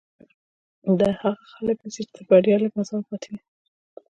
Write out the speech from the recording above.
دا هغه خلک نيسي چې تر بريا يې لږ مزل پاتې وي.